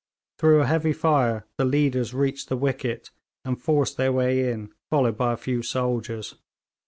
Through a heavy fire the leaders reached the wicket, and forced their way in, followed by a few soldiers.